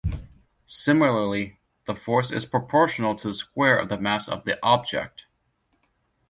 Similarly, the force is proportional to the square of the mass of the object.